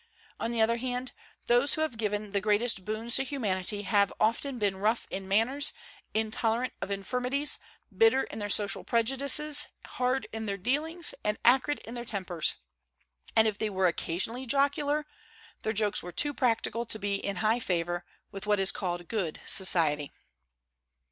On the other hand, those who have given the greatest boons to humanity have often been rough in manners, intolerant of infirmities, bitter in their social prejudices, hard in their dealings, and acrid in their tempers; and if they were occasionally jocular, their jokes were too practical to be in high favor with what is called good society.